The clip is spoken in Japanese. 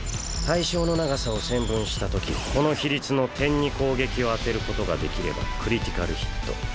対象の長さを線分したときこの比率の点に攻撃を当てることができればクリティカルヒット。